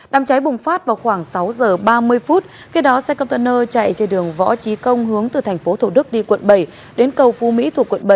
đám cháy bùng phát vào khoảng sáu giờ ba mươi phút khi đó xe container chạy trên đường võ trí công hướng từ tp thổ đức đi quận bảy đến cầu phú mỹ thuộc quận bảy